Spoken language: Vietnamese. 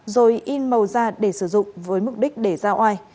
rồi in màu ra để sử dụng với mục đích để giao ai